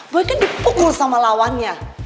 gue kan dipukul sama lawannya